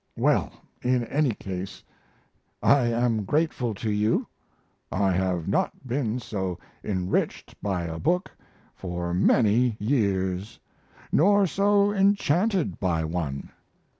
Well, in any case, I am grateful to you. I have not been so enriched by a book for many years, nor so enchanted by one.